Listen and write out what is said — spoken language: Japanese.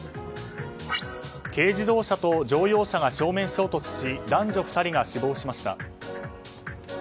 軽自動車と乗用車が正面衝突し男女２人が死亡しました。